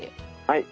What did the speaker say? はい。